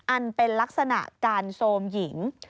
อันเป็นลักษณะการโซมหญิง